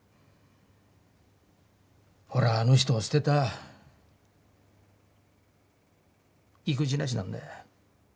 俺はあの人を捨てた意気地なしなんだよ。